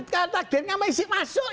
kalau takdirnya masih masuk